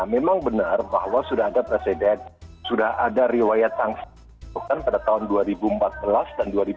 memang benar bahwa sudah ada presiden sudah ada riwayat sanksi bukan pada tahun dua ribu empat belas dan dua ribu dua puluh